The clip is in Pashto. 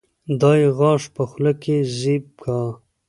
دا يې غاښ په خوله کې زېب کا